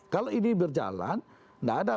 kalau ini berjalan tidak ada